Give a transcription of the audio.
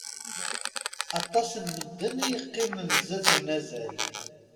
Aṭas n medden i yeqqimen zzat unazal.